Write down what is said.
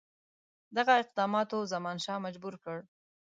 دغه اقداماتو زمانشاه مجبور کړ.